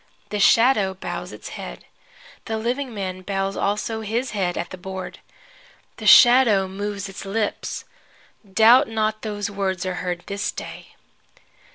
The shadow bows its head. The living man bows also his head at the board. The shadow moves its lips. Doubt not those words are heard this day.